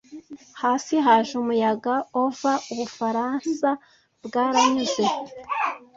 '- Hasi haje umuyaga! Ov er Ubufaransa bwaranyuze